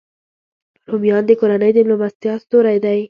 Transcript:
رومیان د کورنۍ د میلمستیا ستوری دی